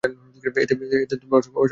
এতে অসংখ্য পরিবর্তন ঘটবে।